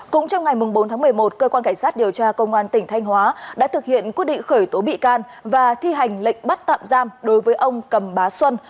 cũng trong ngày bốn tháng một mươi một cơ quan cảnh sát điều tra công an tỉnh thanh hóa đã thực hiện quyết định khởi tố bị can và thi hành lệnh bắt tạm giam đối với ông cầm bá xuân